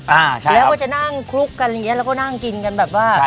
อ่าใช่แล้วก็จะนั่งคลุกกันอย่างเงี้แล้วก็นั่งกินกันแบบว่า